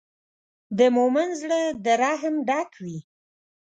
د مؤمن زړۀ د رحم ډک وي.